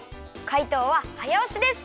かいとうははやおしです！